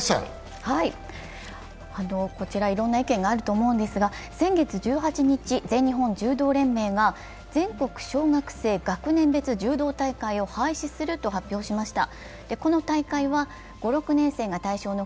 こちらいろんな意見があると思うんですけれども先月１８日、全日本柔道連盟が全国小学生学年別柔道大会を廃止すると発表しました。